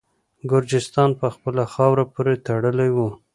ګرجستان په خپله خاوره پوري تړلی وو.